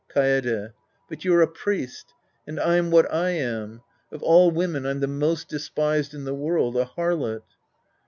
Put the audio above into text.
Kaede. But you're a priest. And I'm what I am. Of all women I'm the most despised in the world, a harlot.